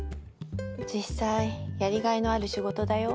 実際やりがいのある仕事だよ。